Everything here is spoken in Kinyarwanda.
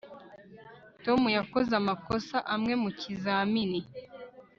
Tom yakoze amakosa amwe mu kizamini